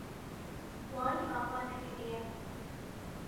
Wan ava nekiriye.